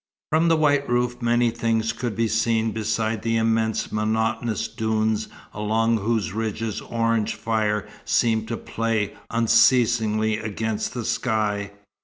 From the white roof many things could be seen besides the immense monotonous dunes along whose ridges orange fire seemed to play unceasingly against the sky.